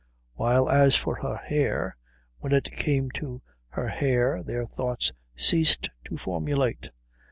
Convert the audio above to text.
While as for her hair, when it came to her hair their thoughts ceased to formulate.